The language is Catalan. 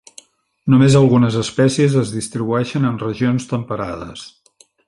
Només algunes espècies es distribueixen en regions temperades.